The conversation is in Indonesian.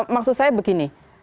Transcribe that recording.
maksud saya begini